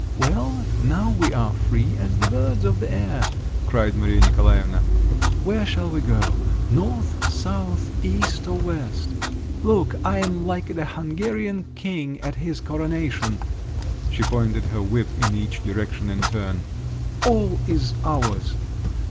"Well, now we are free as the birds of the air!" cried Maria Nikolaevna. "Where shall we go. North, south, east, or west? Look—I'm like the Hungarian king at his coronation (she pointed her whip in each direction in turn). All is ours!